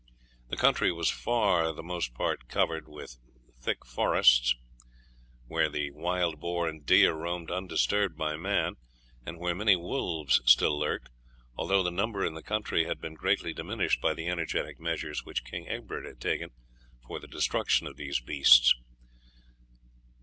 The country was for the most part covered with thick forests, where the wild boar and deer roamed undisturbed by man, and where many wolves still lurked, although the number in the country had been greatly diminished by the energetic measures which King Egbert had taken for the destruction of these beasts.